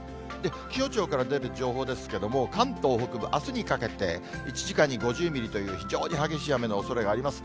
気象庁から出る情報ですけれども、関東北部、あすにかけて、１時間に５０ミリという非常に激しい雨のおそれがあります。